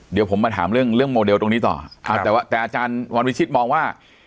เดี๋ยวผมมาถามเรื่องเรื่องโมเดลตรงนี้ต่อเอาแต่ว่าแต่อาจารย์วันวิชิตมองว่า